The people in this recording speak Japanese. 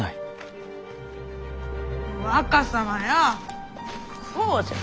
若様よこうじゃ！